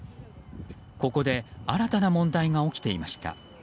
ここで新たな問題が起きていました。